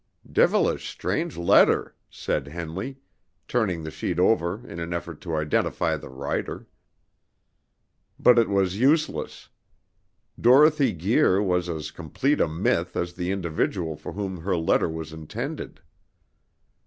"Devilish strange letter!" said Henley, turning the sheet over in an effort to identify the writer. But it was useless. Dorothy Guir was as complete a myth as the individual for whom her letter was intended.